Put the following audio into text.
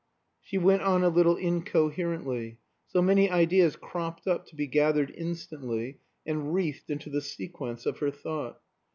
She went on a little incoherently; so many ideas cropped up to be gathered instantly, and wreathed into the sequence of her thought.